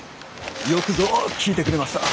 よくぞ聞いてくれました。